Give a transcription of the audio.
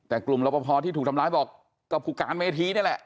แต่กลุ่มรปภที่ถูกทำร้ายบอกก็ผู้การเวทีนี่แหละ